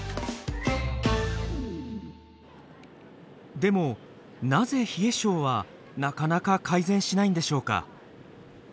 でもなぜ冷え症はなかなか改善しないんでしょうか？